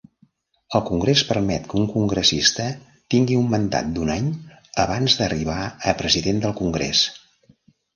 El Congrés permet que un congressista tingui un mandat d'un any abans d'arribar a President del Congrés.